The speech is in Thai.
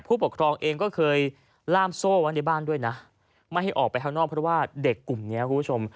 ผู้ปกครองเองก็เคยล่ามโซ่ไว้ในบ้านด้วยนะไม่ให้ออกไปข้างนอกเพราะว่าเด็กกลุ่มนี้คุณผู้ชม